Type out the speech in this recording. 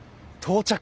到着。